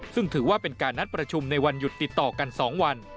ซึ่งถือว่าเป็นการนัดประชุมในวันหยุดติดต่อกัน๒วัน